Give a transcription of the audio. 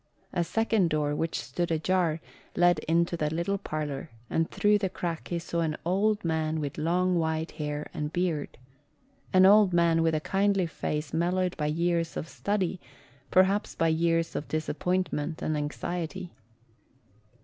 A second door, which stood ajar, led into the little parlor and through the crack he saw an old man with long white hair and beard an old man with a kindly face mellowed by years of study, perhaps by years of disappointment and anxiety.